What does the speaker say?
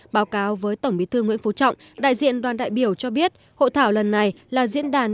báo cáo với tổng bí thư nguyễn phú trọng đại diện đoàn đại biểu cho biết hội thảo lần này là diễn đàn